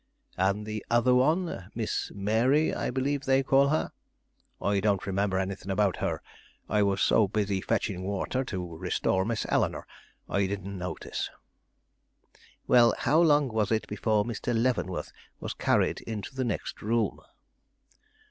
"And the other one, Miss Mary, I believe they call her?" "I don't remember anything about her; I was so busy fetching water to restore Miss Eleanore, I didn't notice." "Well, how long was it before Mr. Leavenworth was carried into the next room?"